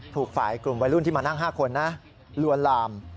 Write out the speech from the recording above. ถูกฝ่ายกลุ่มวัยรุ่นที่มานั่ง๕คนนะลวนลาม